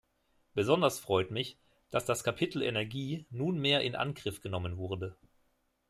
Besonders freut mich, dass das Kapitel Energie nunmehr in Angriff genommen wurde.